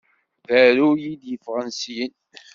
D aruy i d-yeffɣen syin.